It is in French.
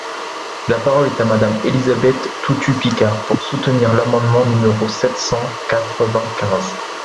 La parole est à Madame Élisabeth Toutut-Picard, pour soutenir l’amendement numéro sept cent quatre-vingt-quinze.